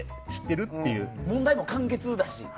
問題も簡潔だし。